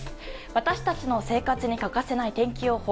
私たちの生活に欠かせない天気予報。